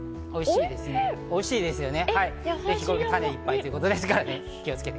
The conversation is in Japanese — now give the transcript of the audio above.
おいしいですよね。